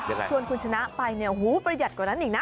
ชวนคุณชนะไปเนี่ยหูประหยัดกว่านั้นอีกนะ